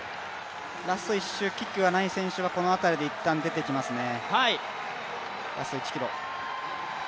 ラスト１周、キックがない選手がこの辺りで出てきますね。